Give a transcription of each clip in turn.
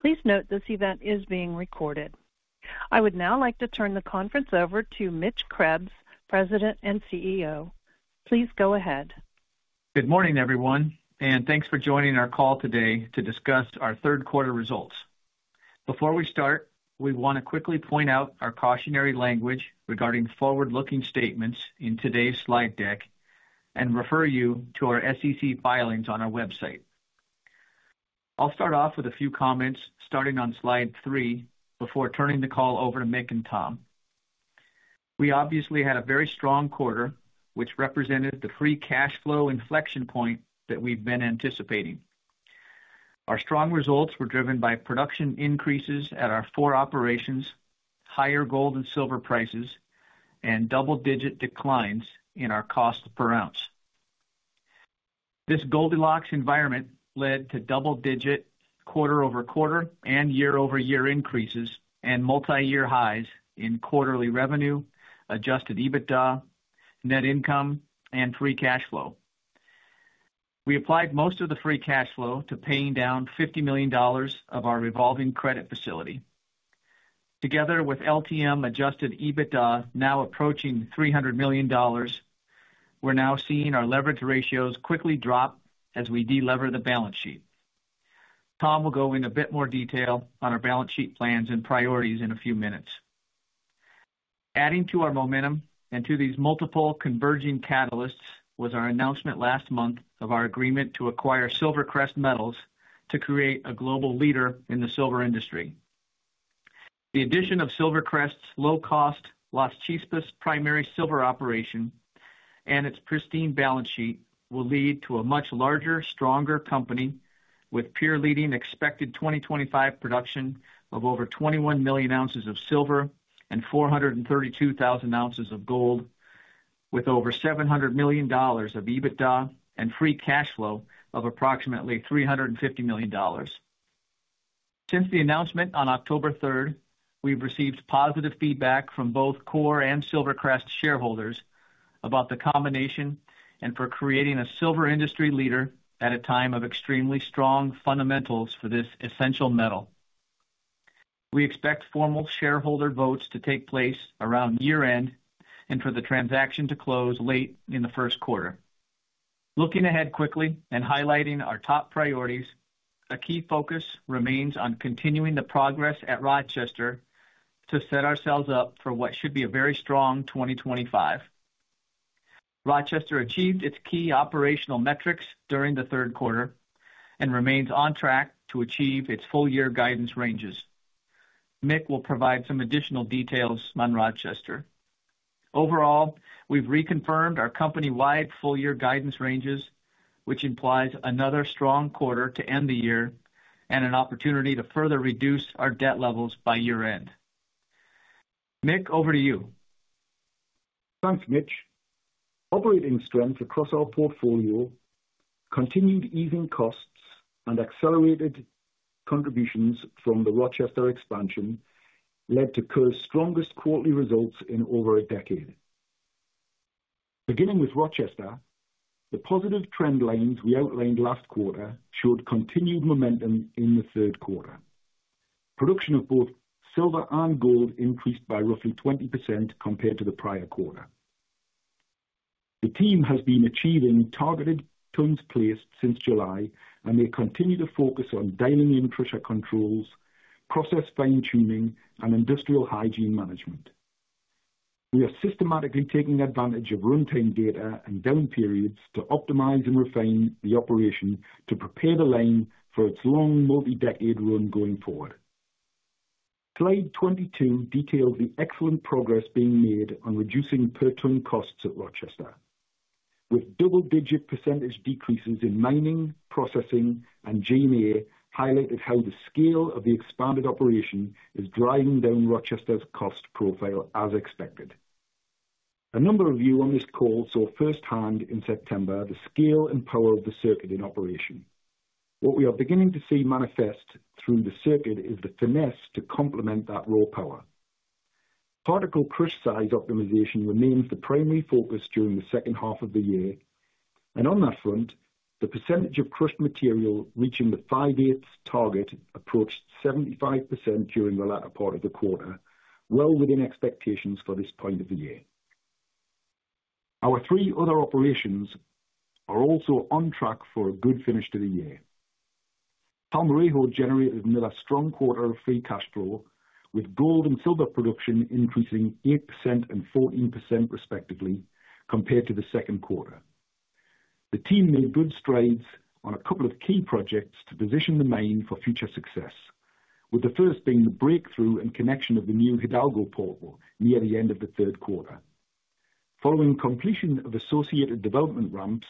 Please note this event is being recorded. I would now like to turn the conference over to Mitch Krebs, President and CEO. Please go ahead. Good morning, everyone, and thanks for joining our call today to discuss our third quarter results. Before we start, we want to quickly point out our cautionary language regarding forward-looking statements in today's slide deck and refer you to our SEC filings on our website. I'll start off with a few comments starting on slide three before turning the call over to Mick and Tom. We obviously had a very strong quarter, which represented the free cash flow inflection point that we've been anticipating. Our strong results were driven by production increases at our four operations, higher gold and silver prices, and double-digit declines in our cost per ounce. This Goldilocks environment led to double-digit quarter-over-quarter and year-over-year increases and multi-year highs in quarterly revenue, adjusted EBITDA, net income, and free cash flow. We applied most of the free cash flow to paying down $50 million of our revolving credit facility. Together with LTM adjusted EBITDA now approaching $300 million, we're now seeing our leverage ratios quickly drop as we delever the balance sheet. Tom will go in a bit more detail on our balance sheet plans and priorities in a few minutes. Adding to our momentum and to these multiple converging catalysts was our announcement last month of our agreement to acquire SilverCrest Metals to create a global leader in the silver industry. The addition of SilverCrest's low-cost Las Chispas primary silver operation and its pristine balance sheet will lead to a much larger, stronger company with peer-leading expected 2025 production of over 21 million ounces of silver and 432,000 ounces of gold, with over $700 million of EBITDA and free cash flow of approximately $350 million. Since the announcement on October 3rd, we've received positive feedback from both Coeur and SilverCrest shareholders about the combination and for creating a silver industry leader at a time of extremely strong fundamentals for this essential metal. We expect formal shareholder votes to take place around year-end and for the transaction to close late in the first quarter. Looking ahead quickly and highlighting our top priorities, a key focus remains on continuing the progress at Rochester to set ourselves up for what should be a very strong 2025. Rochester achieved its key operational metrics during the third quarter and remains on track to achieve its full-year guidance ranges. Mick will provide some additional details on Rochester. Overall, we've reconfirmed our company-wide full-year guidance ranges, which implies another strong quarter to end the year and an opportunity to further reduce our debt levels by year-end. Mick, over to you. Thanks, Mitch. Operating strength across our portfolio, continued easing costs, and accelerated contributions from the Rochester expansion led to Coeur's strongest quarterly results in over a decade. Beginning with Rochester, the positive trend lines we outlined last quarter showed continued momentum in the third quarter. Production of both silver and gold increased by roughly 20% compared to the prior quarter. The team has been achieving targeted tons placed since July, and they continue to focus on dialing in pressure controls, process fine-tuning, and industrial hygiene management. We are systematically taking advantage of runtime data and down periods to optimize and refine the operation to prepare the line for its long multi-decade run going forward. Slide 22 detailed the excellent progress being made on reducing per-ton costs at Rochester, with double-digit percentage decreases in mining, processing, and G&A highlighted how the scale of the expanded operation is driving down Rochester's cost profile as expected. A number of you on this call saw firsthand in September the scale and power of the circuit in operation. What we are beginning to see manifest through the circuit is the finesse to complement that raw power. Particle crush size optimization remains the primary focus during the second half of the year, and on that front, the percentage of crushed material reaching the 5/8 target approached 75% during the latter part of the quarter, well within expectations for this point of the year. Our three other operations are also on track for a good finish to the year. Palmarejo generated another strong quarter of free cash flow, with gold and silver production increasing 8% and 14% respectively compared to the second quarter. The team made good strides on a couple of key projects to position the mine for future success, with the first being the breakthrough and connection of the new Hidalgo portal near the end of the third quarter. Following completion of associated development ramps,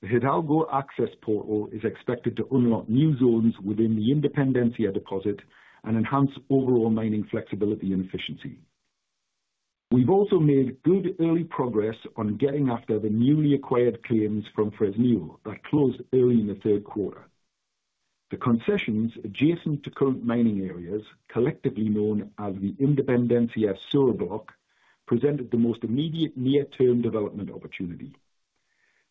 the Hidalgo access portal is expected to unlock new zones within the Independencia deposit and enhance overall mining flexibility and efficiency. We've also made good early progress on getting after the newly acquired claims from Fresnillo that closed early in the third quarter. The concessions adjacent to current mining areas, collectively known as the Independencia Sur block, presented the most immediate near-term development opportunity.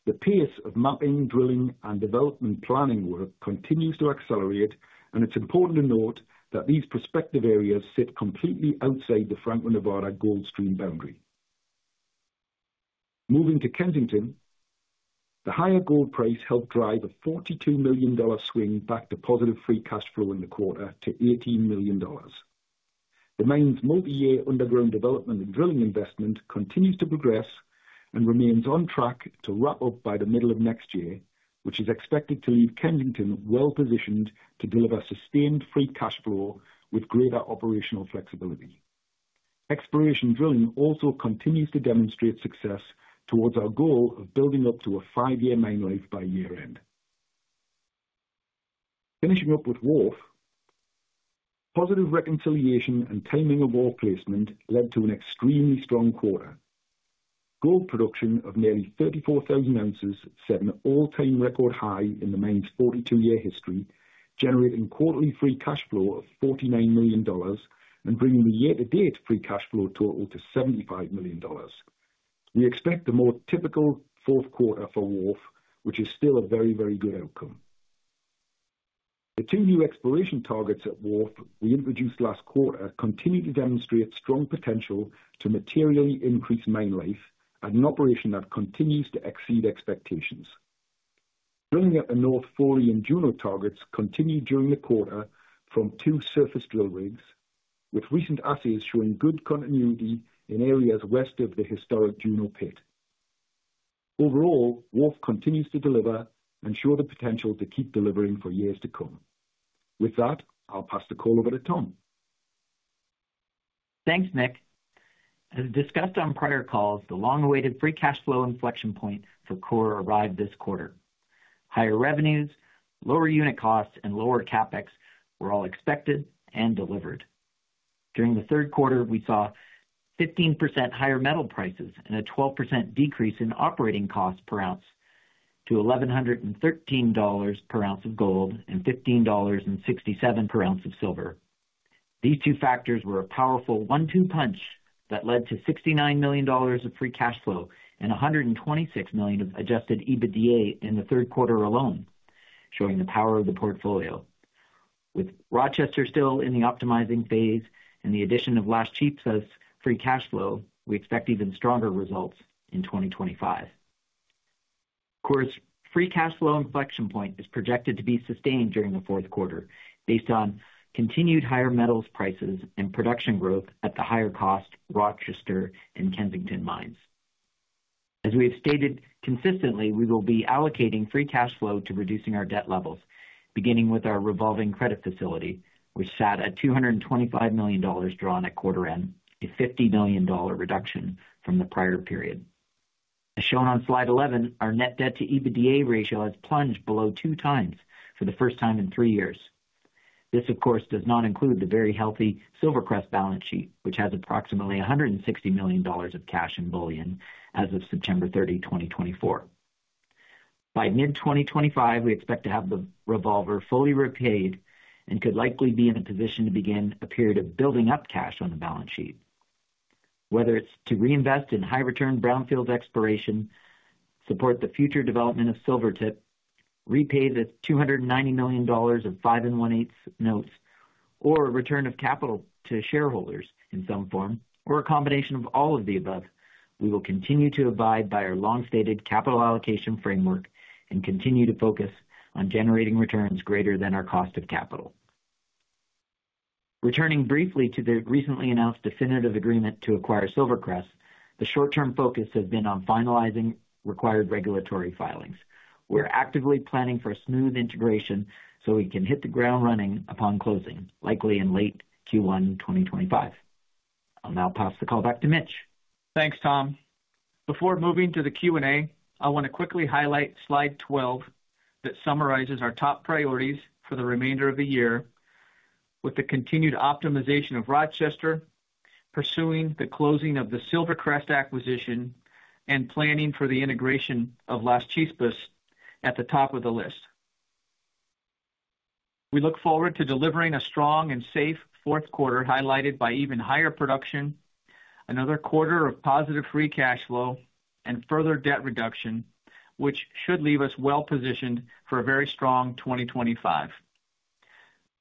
The pace of mapping, drilling, and development planning work continues to accelerate, and it's important to note that these prospective areas sit completely outside the Franco-Nevada gold stream boundary. Moving to Kensington, the higher gold price helped drive a $42 million swing back to positive free cash flow in the quarter to $18 million. The mine's multi-year underground development and drilling investment continues to progress and remains on track to wrap up by the middle of next year, which is expected to leave Kensington well-positioned to deliver sustained free cash flow with greater operational flexibility. Exploration drilling also continues to demonstrate success towards our goal of building up to a five-year mine life by year-end. Finishing up with Wharf, positive reconciliation and timing of ore placement led to an extremely strong quarter. Gold production of nearly 34,000 ounces set an all-time record high in the mine's 42-year history, generating quarterly free cash flow of $49 million and bringing the year-to-date free cash flow total to $75 million. We expect the more typical fourth quarter for Wharf, which is still a very, very good outcome. The two new exploration targets at Wharf we introduced last quarter continue to demonstrate strong potential to materially increase mine life at an operation that continues to exceed expectations. Drilling at the North Foley and Juno targets continued during the quarter from two surface drill rigs, with recent assays showing good continuity in areas west of the historic Juno pit. Overall, Wharf continues to deliver and show the potential to keep delivering for years to come. With that, I'll pass the call over to Tom. Thanks, Mick. As discussed on prior calls, the long-awaited free cash flow inflection point for Coeur arrived this quarter. Higher revenues, lower unit costs, and lower CapEx were all expected and delivered. During the third quarter, we saw 15% higher metal prices and a 12% decrease in operating costs per ounce to $1,113 per ounce of gold and $15.67 per ounce of silver. These two factors were a powerful one-two punch that led to $69 million of free cash flow and $126 million of adjusted EBITDA in the third quarter alone, showing the power of the portfolio. With Rochester still in the optimizing phase and the addition of Las Chispas free cash flow, we expect even stronger results in 2025. Coeur's free cash flow inflection point is projected to be sustained during the fourth quarter based on continued higher metals prices and production growth at the higher-cost Rochester and Kensington mines. As we have stated consistently, we will be allocating free cash flow to reducing our debt levels, beginning with our revolving credit facility, which sat at $225 million drawn at quarter-end, a $50 million reduction from the prior period. As shown on slide 11, our net debt-to-EBITDA ratio has plunged below two times for the first time in three years. This, of course, does not include the very healthy SilverCrest balance sheet, which has approximately $160 million of cash in bullion as of September 30, 2024. By mid-2025, we expect to have the revolver fully repaid and could likely be in a position to begin a period of building up cash on the balance sheet, whether it's to reinvest in high-return brownfield exploration, support the future development of Silvertip, repay the $290 million of 5.125% notes, or a return of capital to shareholders in some form, or a combination of all of the above. We will continue to abide by our long-stated capital allocation framework and continue to focus on generating returns greater than our cost of capital. Returning briefly to the recently announced definitive agreement to acquire SilverCrest, the short-term focus has been on finalizing required regulatory filings. We're actively planning for a smooth integration so we can hit the ground running upon closing, likely in late Q1 2025. I'll now pass the call back to Mitch. Thanks, Tom. Before moving to the Q&A, I want to quickly highlight slide 12 that summarizes our top priorities for the remainder of the year, with the continued optimization of Rochester, pursuing the closing of the SilverCrest acquisition, and planning for the integration of Las Chispas at the top of the list. We look forward to delivering a strong and safe fourth quarter highlighted by even higher production, another quarter of positive free cash flow, and further debt reduction, which should leave us well-positioned for a very strong 2025.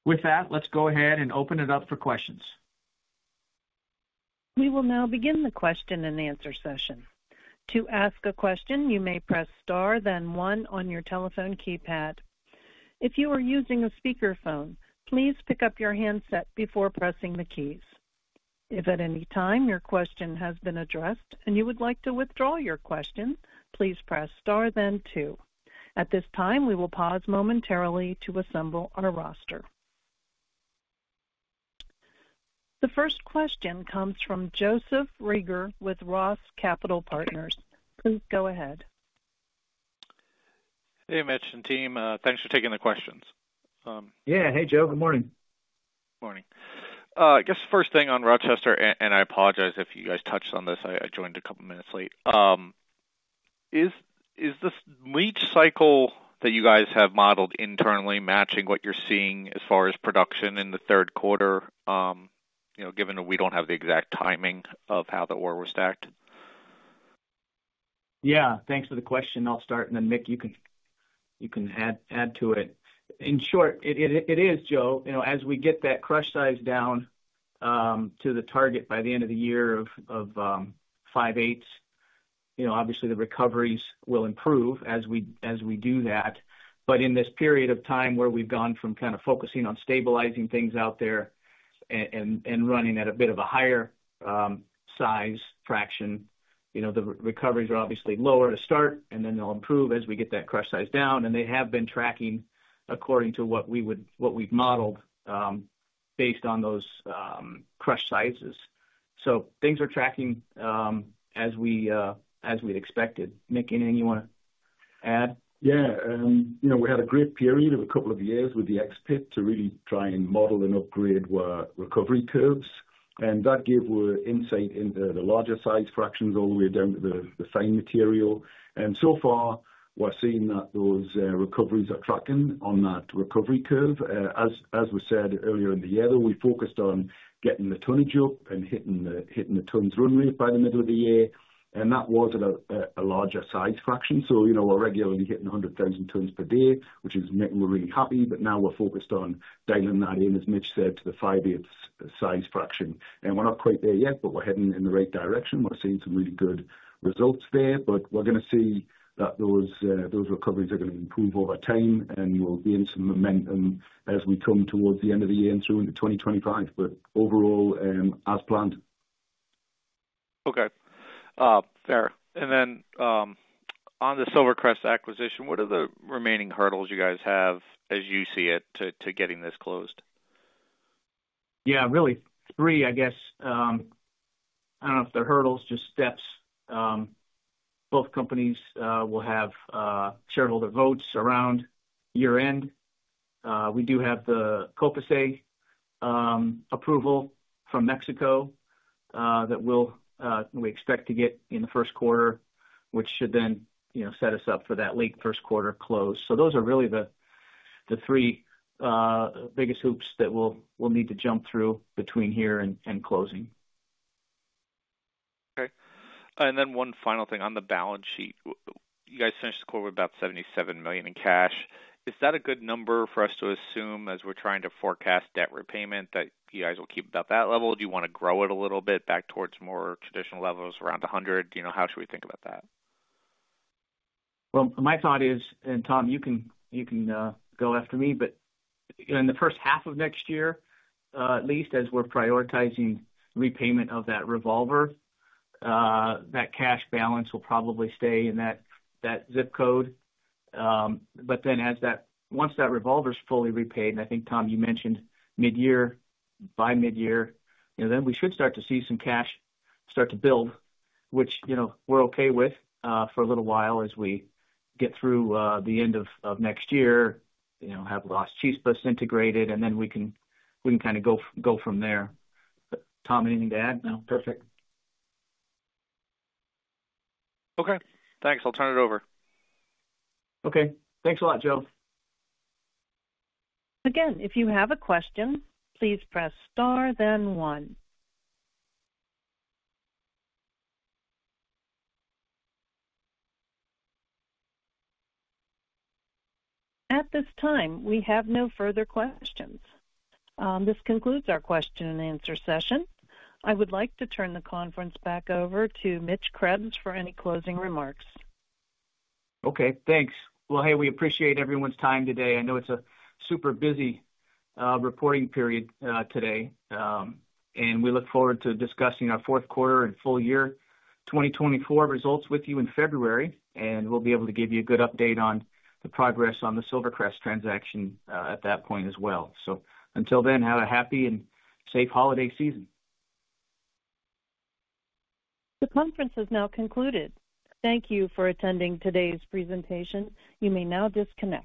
With that, let's go ahead and open it up for questions. We will now begin the question-and-answer session. To ask a question, you may press star, then one on your telephone keypad. If you are using a speakerphone, please pick up your handset before pressing the keys. If at any time your question has been addressed and you would like to withdraw your question, please press star, then two. At this time, we will pause momentarily to assemble our roster. The first question comes from Joseph Reagor with ROTH Capital Partners. Please go ahead. Hey, Mitch and team. Thanks for taking the questions. Yeah. Hey, Joe. Good morning. Morning. I guess the first thing on Rochester, and I apologize if you guys touched on this. I joined a couple of minutes late. Is this leach cycle that you guys have modeled internally matching what you're seeing as far as production in the third quarter, given that we don't have the exact timing of how the ore was stacked? Yeah. Thanks for the question. I'll start, and then Mick, you can add to it. In short, it is, Joe. As we get that crush size down to the target by the end of the year of five-eighths, obviously the recoveries will improve as we do that. But in this period of time where we've gone from kind of focusing on stabilizing things out there and running at a bit of a higher size fraction, the recoveries are obviously lower to start, and then they'll improve as we get that crush size down. And they have been tracking according to what we've modeled based on those crush sizes. So things are tracking as we expected. Mick, anything you want to add? Yeah. We had a great period of a couple of years with the ex-pit to really try and model and upgrade recovery curves. And that gave us insight into the larger size fractions all the way down to the fine material. And so far, we're seeing that those recoveries are tracking on that recovery curve. As we said earlier in the year, though, we focused on getting the tonnage up and hitting the tons run rate by the middle of the year. And that was a larger size fraction. So we're regularly hitting 100,000 tons per day, which is making me really happy. But now we're focused on dialing that in, as Mitch said, to the five-eighths size fraction. And we're not quite there yet, but we're heading in the right direction. We're seeing some really good results there. But we're going to see that those recoveries are going to improve over time, and we'll gain some momentum as we come towards the end of the year and through into 2025. But overall, as planned. Okay. Fair. And then on the SilverCrest acquisition, what are the remaining hurdles you guys have as you see it to getting this closed? Yeah, really three, I guess. I don't know if they're hurdles, just steps. Both companies will have shareholder votes around year-end. We do have the COFECE approval from Mexico that we expect to get in the first quarter, which should then set us up for that late first quarter close. So those are really the three biggest hoops that we'll need to jump through between here and closing. Okay. And then one final thing on the balance sheet. You guys finished the quarter with about $77 million in cash. Is that a good number for us to assume as we're trying to forecast debt repayment that you guys will keep about that level? Do you want to grow it a little bit back towards more traditional levels around 100? How should we think about that? My thought is, and Tom, you can go after me, but in the first half of next year, at least as we're prioritizing repayment of that revolver, that cash balance will probably stay in that zip code. But then once that revolver's fully repaid, and I think, Tom, you mentioned mid-year, by mid-year, then we should start to see some cash start to build, which we're okay with for a little while as we get through the end of next year, have Las Chispas integrated, and then we can kind of go from there. But Tom, anything to add? No, perfect. Okay. Thanks. I'll turn it over. Okay. Thanks a lot, Joe. Again, if you have a question, please press star, then one. At this time, we have no further questions. This concludes our question-and-answer session. I would like to turn the conference back over to Mitch Krebs for any closing remarks. Okay. Thanks. Well, hey, we appreciate everyone's time today. I know it's a super busy reporting period today. And we look forward to discussing our fourth quarter and full year 2024 results with you in February, and we'll be able to give you a good update on the progress on the SilverCrest transaction at that point as well. So until then, have a happy and safe holiday season. The conference has now concluded. Thank you for attending today's presentation. You may now disconnect.